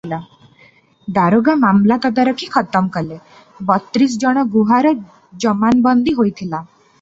ଦାରୋଗା ମାମଲା ତଦାରଖି ଖତମ କଲେ; ବତ୍ରିଶ ଜଣ ଗୁହାର ଜମାନବନ୍ଦୀ ହୋଇଥିଲା ।